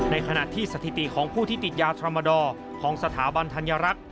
ในขณะที่สถิติของผู้ที่ติดยาธรรมดอร์ของสถาบันธัญรัฐ